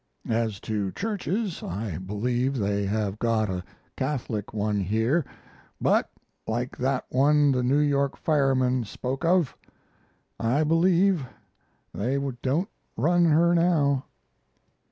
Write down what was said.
As to churches, I believe they have got a Catholic one here, but, like that one the New York fireman spoke of, I believe "they don't run her now."